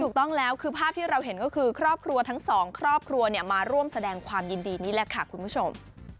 ถูกต้องแล้วคือภาพที่เราเห็นก็คือครอบครัวทั้งสองครอบครัวมาร่วมแสดงความยินดีนี่แหละค่ะคุณผู้ชม